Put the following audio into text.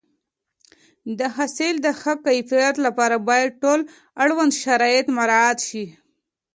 د حاصل د ښه کیفیت لپاره باید ټول اړوند شرایط مراعات شي.